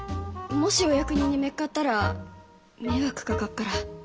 もしお役人に見っかったら迷惑かかっから。